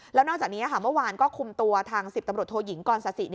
แล้วนอกจากนี้เมื่อวานก็คุมตัวทาง๑๐ตำรวจโทยิงกรศสิ